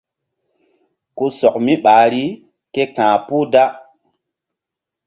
Ku sɔk mi ɓahri ke ka̧h puh da.